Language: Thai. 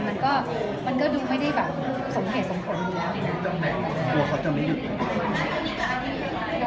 มันก็ดูไม่ได้แบบสงเหตุสงผล